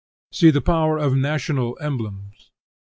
See the power of national emblems.